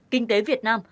kinh tế việt nam